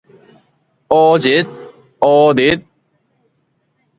烏日